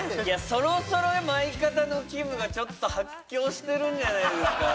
そろそろ相方のきむがちょっと発狂してるんじゃないですか？